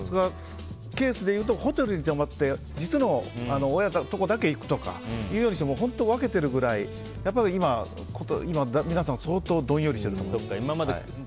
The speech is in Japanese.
ケースでいうとホテルに泊まって実の親のところにだけ行くとか分けているくらい今、皆さん相当どんよりしていると思います。